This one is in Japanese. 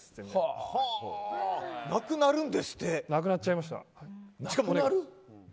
なくなるんですって。